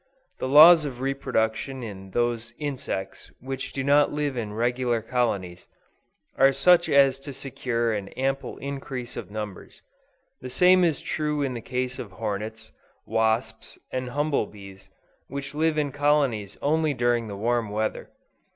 The laws of reproduction in those insects which do not live in regular colonies, are such as to secure an ample increase of numbers. The same is true in the case of hornets, wasps and humble bees which live in colonies only during the warm weather.